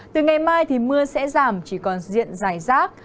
từ ngày mai thì mưa sẽ giảm chỉ còn diện dài rác